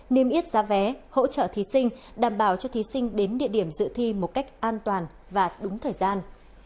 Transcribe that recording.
niêm yết giá vé hỗ trợ thí sinh đảm bảo cho thí sinh đến địa điểm dự thi một cách an toàn và đúng thời gian